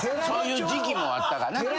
そういう時期もあったかな。